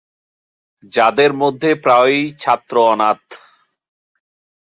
যাদের মধ্যে প্রায়ই ছাত্র অনাথ।